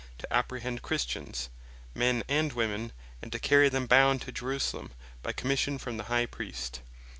2.) to apprehend Christians, men and women, and to carry them bound to Jerusalem, by Commission from the High Priest.